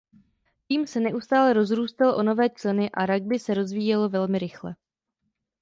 Tým se neustále rozrůstal o nové členy a ragby se rozvíjelo velmi rychle.